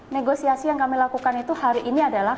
negosiasi yang kami lakukan itu hari ini adalah